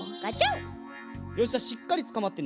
よしじゃしっかりつかまってね。